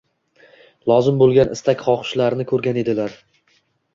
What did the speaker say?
lozim bo‘lgan istak-xohishlarini ko‘rgan edilar.